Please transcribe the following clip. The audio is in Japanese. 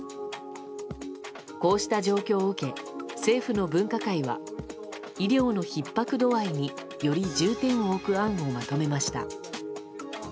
こうした状況を受け政府の分科会は医療のひっ迫度合いにより重点を置く案をまとめました。